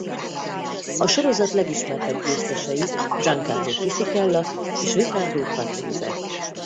A sorozat legismertebb győztesei Giancarlo Fisichella és Riccardo Patrese.